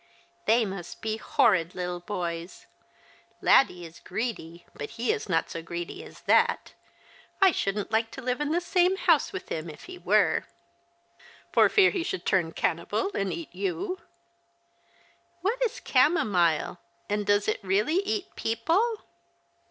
" They must be horrid little boys. Laddie is greedy ; but he is not so greedy as that. I shouldn't like to live in the same house with him if he were." " For fear he should turn cannibal and eat ijou ?"" What is a camomile, and does it really eat people